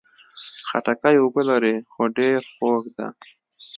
خټکی اوبه لري، خو ډېر خوږه ده.